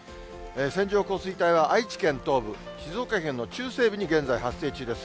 線状降水帯は、愛知県東部、静岡県の中西部に現在発生中です。